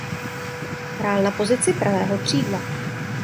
Hrál na pozici pravého křídla.